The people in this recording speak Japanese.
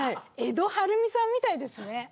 エドはるみさんみたいですね。